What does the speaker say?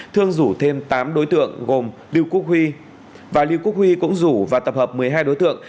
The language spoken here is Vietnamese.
thương rủ thêm tám đối tượng gồm lưu quốc huy và lưu quốc huy cũng rủ và tập hợp một mươi hai đối tượng